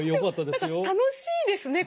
何か楽しいですね